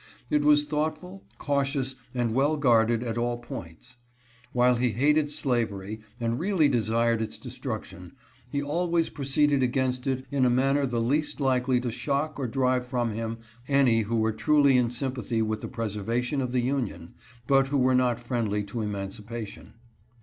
It was thoughtful, cautious, and well guarded at all points. While he hated slavery, and really desired its destruction, he always pro ceeded against it in a manner the least likely to shock or drive from him any who were truly in sympathy with the preservation of the Union, but who were not friendly to emancipation.